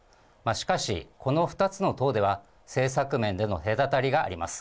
しかしこの２つの党では、政策面での隔たりがあります。